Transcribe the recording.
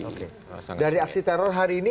sangat tinggi dari aksi teror hari ini